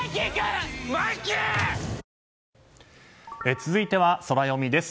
続いては、ソラよみです。